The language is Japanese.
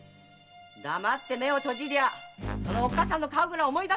黙って目を閉じりゃおっかさんの顔ぐらい思い出すだろう！